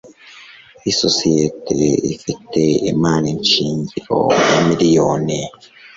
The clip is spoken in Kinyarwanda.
Isosiyete ifite imari shingiro ya miliyoni